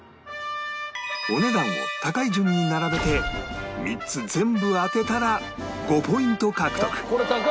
お値段を高い順に並べて３つ全部当てたら５ポイント獲得